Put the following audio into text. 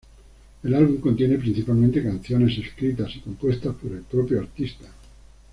El álbum contiene principalmente canciones escritas y compuestas por el propio artista.